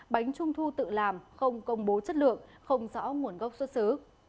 bánh trung thu tự làm không công bố chất lượng không rõ nguồn gốc xuất xứ